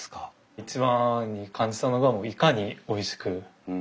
一番に感じたのがいかにおいしく作るか。